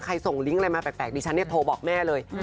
ส่งลิงก์อะไรมาแปลกดิฉันเนี่ยโทรบอกแม่เลย